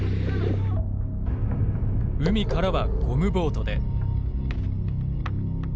海からは、ゴムボートで。